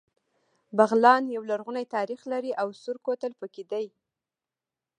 بغلان يو لرغونی تاریخ لري او سور کوتل پکې دی